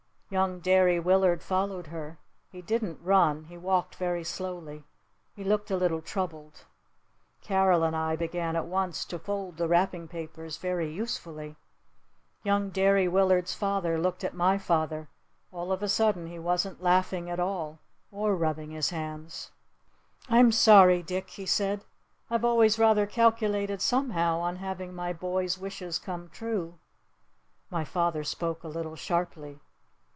Young Derry Willard followed her. He didn't run. He walked very slowly. He looked a little troubled. Carol and I began at once to fold the wrapping papers very usefully. Young Derry Willard's father looked at my father. All of a sudden he wasn't laughing at all. Or rubbing his hands. "I'm sorry, Dick," he said. "I've always rather calculated somehow on having my boy's wishes come true." My father spoke a little sharply.